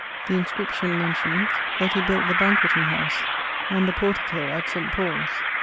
The inscription mentions that he built the banquetting howse and the portico at St. Paule's.